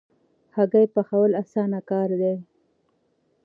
هګۍ پخول اسانه کار دی